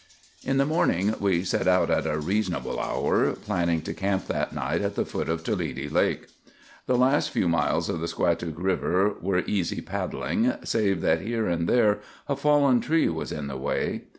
In the morning we set out at a reasonable hour, planning to camp that night at the foot of Toledi Lake. The last few miles of the Squatook River were easy paddling, save that here and there a fallen tree was in the way.